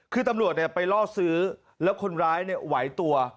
คือตำรวจไปล่อซื้อแล้วคนร้ายไหวตัว